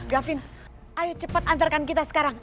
gavin ayo cepat antarkan kita sekarang